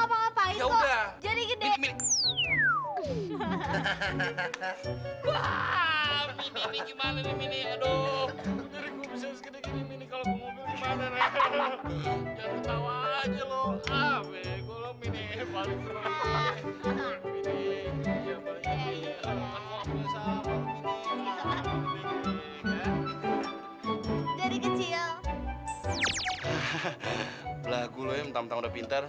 ayo pulang ini ini selamat jalan ya